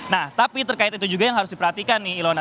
nah tapi terkait itu juga yang harus diperhatikan nih ilona